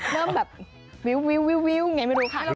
เริ่มแบบวิวอย่างนี้ไม่รู้ค่ะ